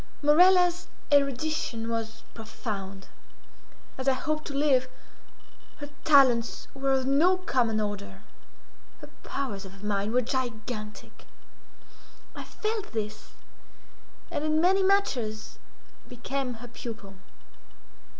Morella's erudition was profound. As I hope to live, her talents were of no common order—her powers of mind were gigantic. I felt this, and, in many matters, became her pupil.